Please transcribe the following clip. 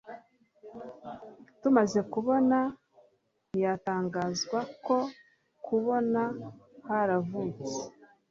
tumaze kubona ntiyatangazwa no kubona haravutse